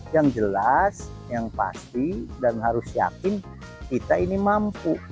yang jelas yang pasti dan harus yakin kita ini mampu